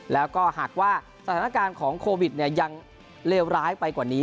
แล้วก็หากว่าสถานการณ์ของโควิดยังเลวร้ายไปกว่านี้